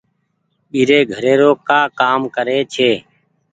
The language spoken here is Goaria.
ٻيري گهري رو ڪآ ڪآم ڪري ڇي۔